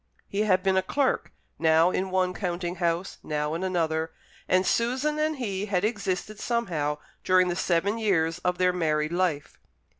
He had been a clerk, now in one counting house, now in another, and Susan and he had existed somehow during the seven years of their married life.